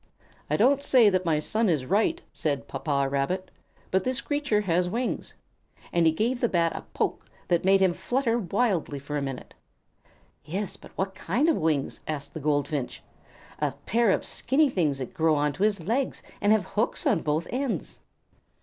"I don't say that my son is right," said Papa Rabbit, "but this creature has wings." And he gave the Bat a poke that made him flutter wildly for a minute. "Yes, but what kind of wings?" asked the Goldfinch. "A pair of skinny things that grow on to his legs and have hooks on both ends."